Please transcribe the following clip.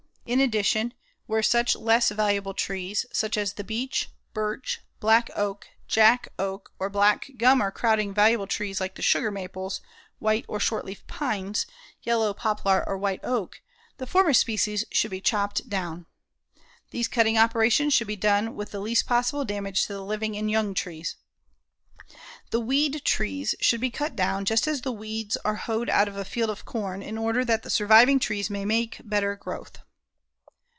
In addition, where such less valuable trees as the beech, birch, black oak, jack oak or black gum are crowding valuable trees like the sugar maples, white or short leaf pines, yellow poplar or white oak, the former species should be chopped down. These cutting operations should be done with the least possible damage to the living and young trees. The "weed trees" should be cut down, just as the weeds are hoed out of a field of corn, in order that the surviving trees may make better growth.